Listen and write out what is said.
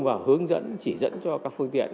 và hướng dẫn chỉ dẫn cho các phương tiện